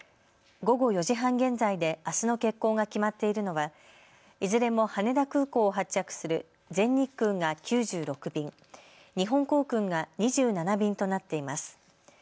午後４時半現在であすの欠航が決まっているのはいずれも羽田空港を発着する全日空が９６便、日本航空が２７便となっています。